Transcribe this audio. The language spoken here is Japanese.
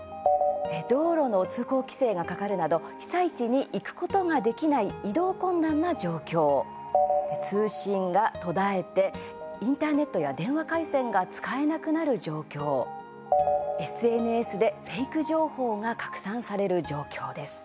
道路の通行規制がかかるなど被災地に行くことができない移動困難な状況、通信が途絶えてインターネットや電話回線が使えなくなる状況ＳＮＳでフェーク情報が拡散される状況です。